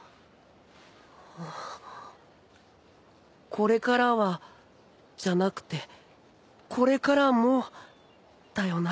「これからは」じゃなくて「これからも」だよな。